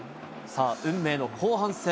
さあ、運命の後半戦。